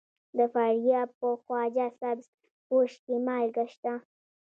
د فاریاب په خواجه سبز پوش کې مالګه شته.